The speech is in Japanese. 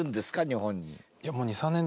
日本に。